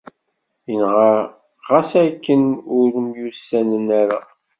Inɣa xas akken ur myussanen ara.